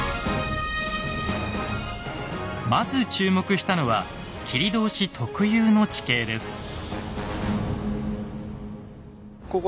まず注目したのは切通特有の地形です。